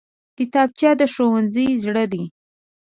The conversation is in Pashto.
کتابچه د ښوونځي زړه دی